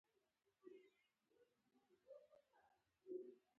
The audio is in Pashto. په غرمه کې لمر ډېر تاو وي